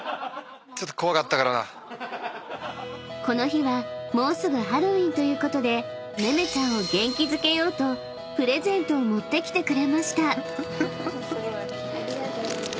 ［この日はもうすぐハロウィーンということでめめちゃんを元気づけようとプレゼントを持ってきてくれました］